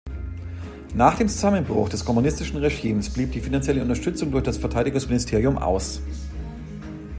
Nach dem Zusammenbruch des kommunistischen Regimes blieb die finanzielle Unterstützung durch das Verteidigungsministerium aus.